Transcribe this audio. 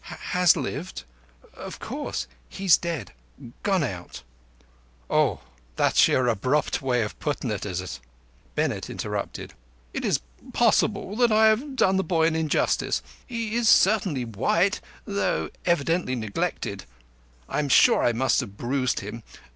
"Has lived. Of course he is dead—gone out." "Oh! That's your abrupt way of putting it, is it?" Bennett interrupted. "It is possible I have done the boy an injustice. He is certainly white, though evidently neglected. I am sure I must have bruised him.